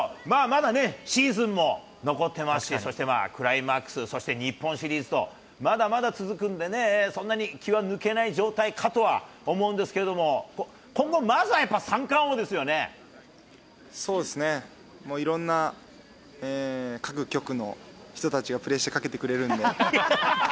まだね、シーズンも残ってますし、そしてクライマックス、そして日本シリーズと、まだまだ続くんでね、そんなに気は抜けない状態かとは思うんですけれども、今後、そうですね、いろんな各局の人たちがプレッシャーかけてくれるんで。